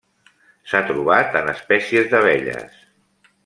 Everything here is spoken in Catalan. S'ha trobat en espècies d'abelles.